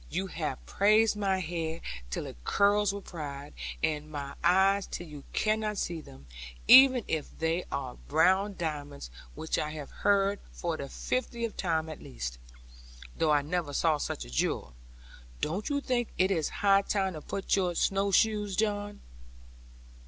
You have praised my hair, till it curls with pride, and my eyes till you cannot see them, even if they are brown diamonds which I have heard for the fiftieth time at least; though I never saw such a jewel. Don't you think it is high time to put on your snow shoes, John?'